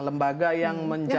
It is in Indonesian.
lembaga yang menyebutkan